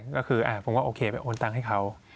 ก็คือผมก็โอเคไปโอนตังค์ให้เขา